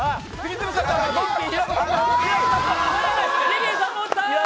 リリーさんも落ちた。